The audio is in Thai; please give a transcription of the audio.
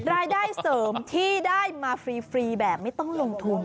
รายได้เสริมที่ได้มาฟรีแบบไม่ต้องลงทุน